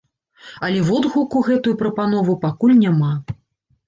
Але водгуку гэтую прапанову пакуль няма.